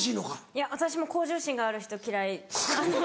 いや私も向上心がある人嫌い。